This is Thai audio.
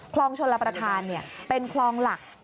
คลองชลประธานเป็นคลองหลัก